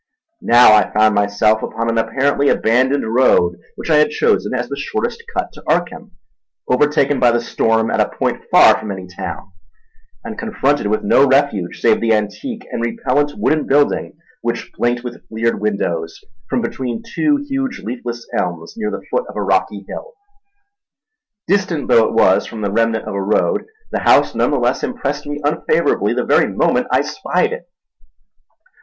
Now I found myself upon an apparently abandoned road which I had chosen as the shortest cut to Arkham; overtaken by the storm at a point far from any town, and confronted with no refuge save the antique and repellent wooden building which blinked with bleared windows from between two huge leafless elms near the foot of a rocky hill. Distant though it was from the remnant of a road, the house none the less impressed me unfavourably the very moment I espied it.